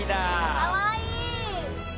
かわいい！